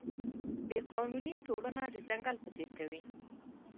بې قانوني ټولنه د ځنګل په څېر کوي.